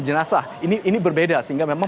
jenazah ini berbeda sehingga memang